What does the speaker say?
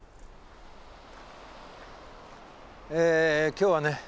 今日はね